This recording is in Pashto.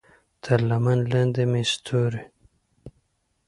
تر لمن لاندې مې ستوري